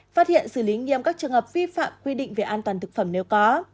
phát hiện xử lý nghiêm các trường hợp vi phạm quy định về an toàn thực phẩm nếu có